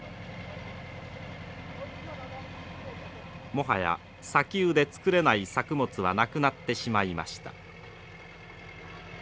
もはや砂丘で作れない作物はなくなってしまいました。